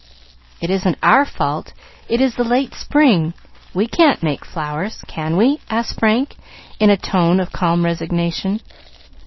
"It isn't our fault: it is the late spring. We can't make flowers, can we?" asked Frank, in a tone of calm resignation.